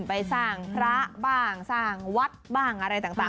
ไปสร้างพระบ้างสร้างวัดบ้างอะไรต่าง